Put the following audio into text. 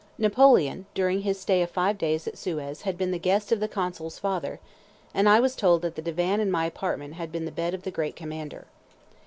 Napoleon during his stay of five days at Suez had been the guest of the consul's father, and I was told that the divan in my apartment had been the bed of the great commander.